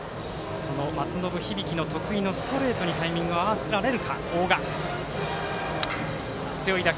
松延響の得意のストレートにタイミング合わせられるか。